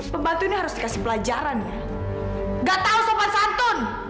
bebatu harus dikasih pelajaran nggak tahu sopan santun